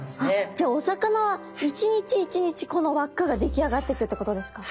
じゃあお魚は一日一日この輪っかが出来上がってくってことですか。